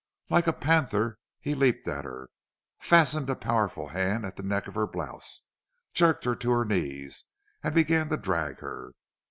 Like a panther he leaped at her, fastened a powerful hand at the neck of her blouse, jerked her to her knees, and began to drag her.